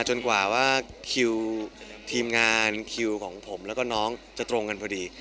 จนกว่าว่าคิวทีมงานคิวของผมแล้วก็น้องจะตรงกันพอดี